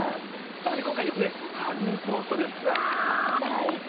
さらに今回ですねハニートーストです最高！